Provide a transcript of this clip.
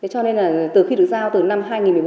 cho nên là từ khi được giao từ năm hai nghìn một mươi bốn